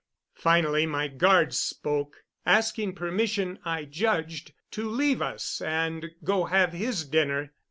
Finally my guard spoke, asking permission, I judged, to leave us and go have his dinner.